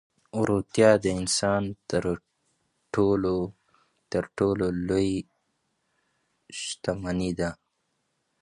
روغتیا د انسان تر ټولو لویه شتمني ده.